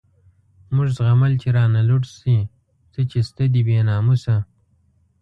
موږ زغمل چی رانه لوټ شی، څه چی شته دی بی ناموسه